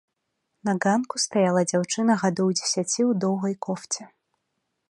На ганку стаяла дзяўчынка гадоў дзесяці ў доўгай кофце.